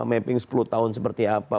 mapping sepuluh tahun seperti apa